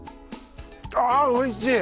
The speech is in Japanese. あおいしい。